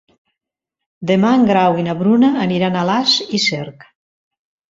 Demà en Grau i na Bruna aniran a Alàs i Cerc.